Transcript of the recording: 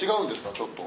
ちょっと。